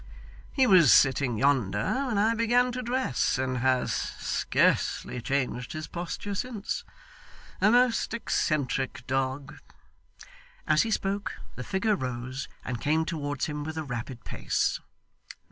He was sitting yonder when I began to dress, and has scarcely changed his posture since. A most eccentric dog!' As he spoke, the figure rose, and came towards him with a rapid pace.